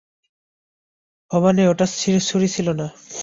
ভবানি, ওটা ছুরি ছিল না।